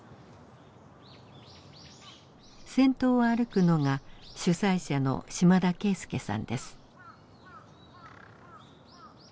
先頭を歩くのが主催者の島田啓介さんです。